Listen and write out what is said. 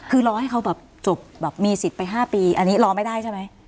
คือรอให้เขาแบบจบแบบมีสิทธิ์ไป๕ปีอันนี้รอไม่ได้ใช่ไหม